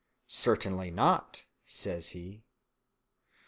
"Certainly not," says he.